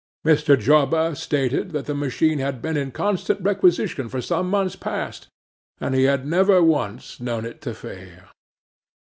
Mr. Jobba stated that the machine had been in constant requisition for some months past, and he had never once known it to fail.